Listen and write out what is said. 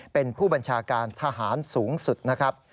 เป็นผู้บัญชาการทหารสูงสุดนะครับ